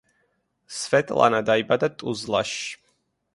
სვეტლანა დაიბადა ტუზლაში.